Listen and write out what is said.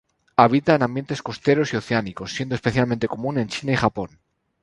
Habita en ambientes costeros oceánicos, siendo especialmente común en China y Japón.